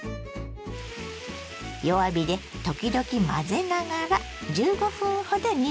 弱火で時々混ぜながら１５分ほど煮ましょ。